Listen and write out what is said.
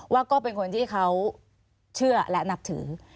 ก็เป็นคนที่เขาเชื่อและนับถือ